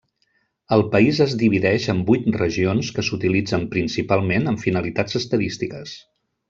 El país es divideix en vuit regions que s'utilitzen principalment amb finalitats estadístiques.